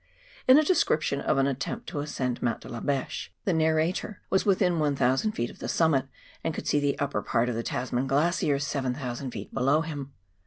In a description of an attempt to ascend Mount De la Beche, the narrator was within 1,000 ft. of the summit, and could see the upper part of the Tasman Glacier 7,000 ft. below him.